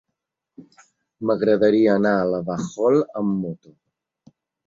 M'agradaria anar a la Vajol amb moto.